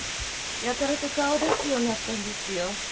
やたらと顔を出すようになったんですよ。